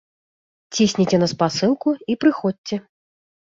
Цісніце на спасылку і прыходзьце!